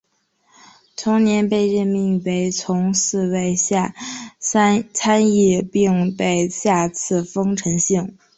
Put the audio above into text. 同年被任命为从四位下参议并被下赐丰臣姓。